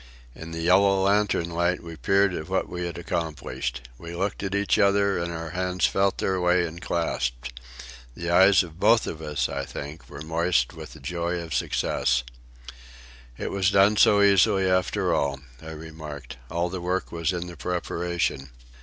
In the yellow lantern light we peered at what we had accomplished. We looked at each other, and our hands felt their way and clasped. The eyes of both of us, I think, were moist with the joy of success. "It was done so easily after all," I remarked. "All the work was in the preparation."